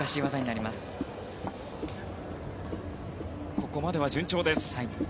ここまでは順調です。